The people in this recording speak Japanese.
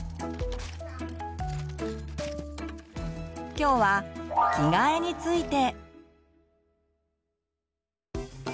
きょうは「着替え」について。